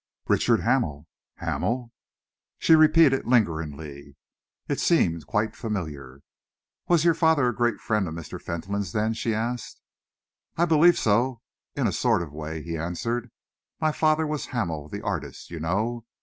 "Richard Hamel." "Hamel." She repeated it lingeringly. It seemed quite unfamiliar. "Was your father a great friend of Mr. Fentolin's, then?" she asked. "I believe so, in a sort of way," he answered. "My father was Hamel the artist, you know.